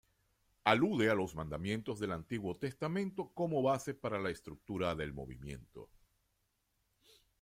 Alude a los mandamientos del Antiguo Testamento, como base para la estructura del movimiento.